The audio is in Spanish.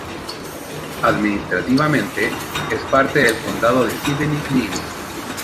Administrativamente, es parte del Condado de Šibenik-Knin.